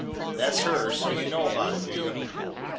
"That 's her. So you know about it, do you?"